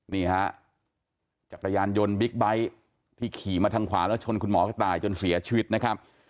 นี่ฮะจักรยานยนต์บิ๊กไบท์ที่ขี่มาทางขวาแล้วชนคุณหมอกระต่ายจนเสียชีวิตนะครับ